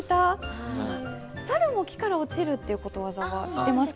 「猿も木から落ちる」っていうことわざは知ってますか？